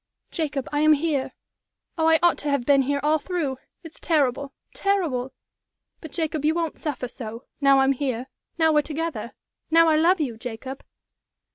"Jacob, I am here! Oh, I ought to have been here all through! It's terrible terrible! But, Jacob, you won't suffer so now I'm here now we're together now I love you, Jacob?"